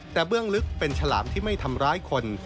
แต่เบื้องลึกเป็นฉลามที่ไม่ทำร้ายคน